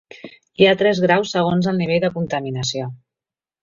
Hi ha tres graus segons el nivell de contaminació.